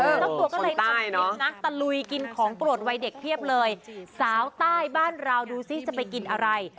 เออคนใต้เนอะสาวตาลบ้านราวดูสิจะไปกินอะไร